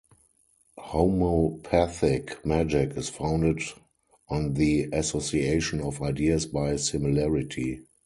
Homeopathic magic is founded on the association of ideas by similarity.